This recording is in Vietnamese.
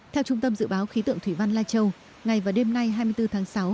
theo trung tâm dự báo khí tượng thủy văn lai châu ngày và đêm nay hai mươi bốn tháng sáu